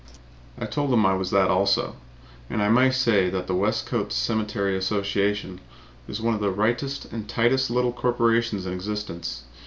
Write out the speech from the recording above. I told him I was that also. And I may say that the Westcote Cemetery Association is one of the rightest and tightest little corporations in existence.